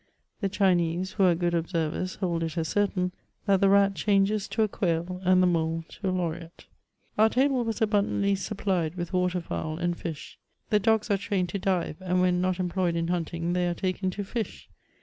The Chinese, who are good observers, hold it as certain, that the rat changes to a quail and the inole to a loriot. Our table was abundantly supplied with water fowl and flsh. The dogs are trained to dive ; and when not employed in hunting they are taken to fish.